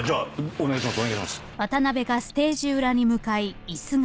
お願いします。